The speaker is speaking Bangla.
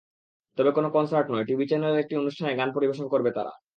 তবে কোনো কনসার্ট নয়, টিভি চ্যানেলের একটি অনুষ্ঠানে গান পরিবেশন করবে তারা।